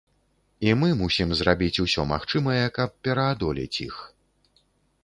І мы мусім зрабіць усё магчымае, каб пераадолець іх.